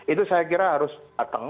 itu saya kira harus datang